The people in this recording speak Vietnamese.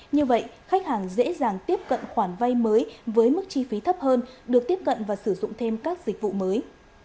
như vậy khách hàng dễ dàng tiếp cận khoản vay mới với mức chi phí thấp hơn được tiếp cận và sử dụng thêm các dịch vụ mới